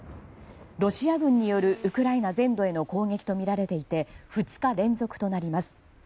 ロシア軍によるウクライナ全土への攻撃とみられていて２日連続となります。